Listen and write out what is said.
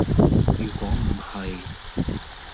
如果唔係